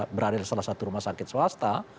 berada di salah satu rumah sakit swasta